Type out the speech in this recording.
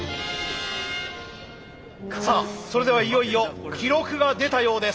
さあそれではいよいよ記録が出たようです。